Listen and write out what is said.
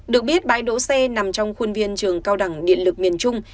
được biết bãi đỗ xe nằm trong khuôn viên trường cao đẳng điện lực miền trung